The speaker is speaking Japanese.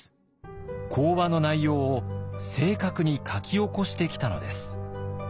講話の内容を正確に書き起こしてきたのです。